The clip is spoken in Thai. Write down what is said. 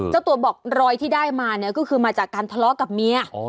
เจ้าตัวบอกรอยที่ได้มาเนี่ยก็คือมาจากการทะเลาะกับเมีย